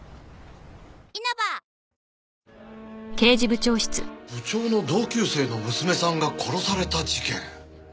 部長の同級生の娘さんが殺された事件？